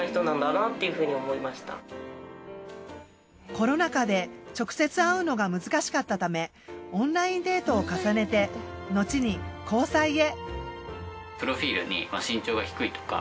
コロナ禍で直接会うのが難しかったためオンラインデートを重ねてのちに交際へ。